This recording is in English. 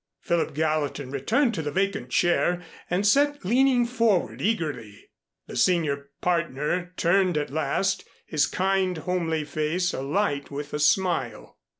Philip Gallatin returned to the vacant chair and sat leaning forward eagerly. The senior partner turned at last, his kind homely face alight with a smile.